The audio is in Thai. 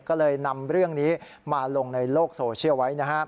ก็เลยนำเรื่องนี้มาลงในโลกโซเชียลไว้นะฮะ